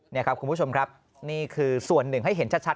นี่ครับคุณผู้ชมครับนี่คือส่วนหนึ่งให้เห็นชัด